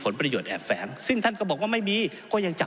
ผมอภิปรายเรื่องการขยายสมภาษณ์รถไฟฟ้าสายสีเขียวนะครับ